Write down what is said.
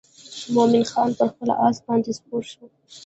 مومن خان پر خپل آس باندې سپور شو.